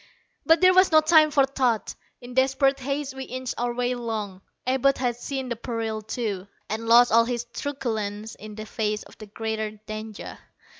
But there was no time for thought. In desperate haste, we inched our way along. Abud had seen the peril, too, and lost all his truculence in the face of the greater danger.